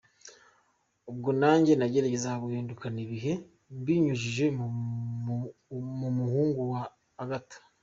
Ubwo nanjye nageragezaga guhindukana n’ibihe mbinyujije mu muhungu wa Agatha.